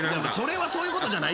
そういうことじゃないから。